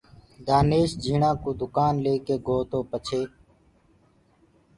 دآنيش جھيٚڻآ ڪو دُڪآن ليڪي گوو تو پڇي